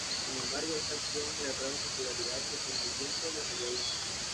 Sin embargo esta acción le atrajo popularidad que con el tiempo le sería útil.